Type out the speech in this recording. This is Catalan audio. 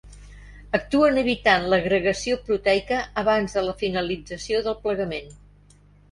Actuen evitant l’agregació proteica abans de la finalització del plegament.